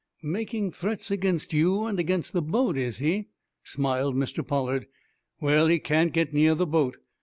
"Making threats against you, and against the boat, is he?" smiled Mr. Pollard. "Well, he can't get near the boat.